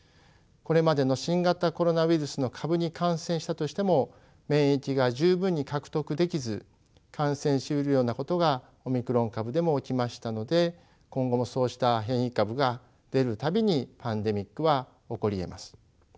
これまでの新型コロナウイルスの株に感染したとしても免疫が十分に獲得できず感染しうるようなことがオミクロン株でも起きましたので今後もそうした変異株が出る度にパンデミックは起こりえます。